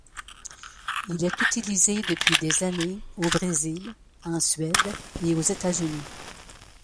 Il est utilisé depuis des années au Brésil, en Suède et aux États-Unis.